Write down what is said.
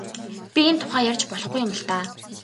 Би энэ тухай ярьж болохгүй юм л даа.